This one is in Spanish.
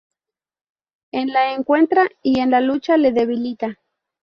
Él la encuentra, y en la lucha, le debilita.